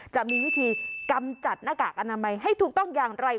จะมีวิธีกำจัดหน้ากากอนามัยให้ถูกต้องอย่างไร